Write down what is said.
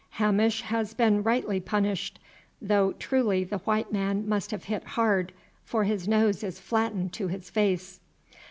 Hamish has been rightly punished, though truly the white man must have hit hard, for his nose is flattened to his face.